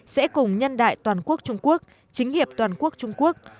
sẽ cùng nhân đại toàn quốc trung quốc chính hiệp toàn quốc trung quốc